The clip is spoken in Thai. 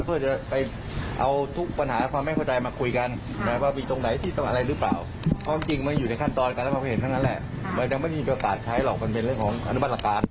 เอาลองฟังท่านนโยคครับ